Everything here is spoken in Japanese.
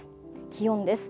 気温です。